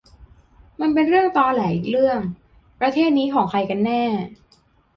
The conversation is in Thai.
มันเป็นเรื่องตอแหลอีกเรื่อง ประเทศนี้ของใครกันแน่ ?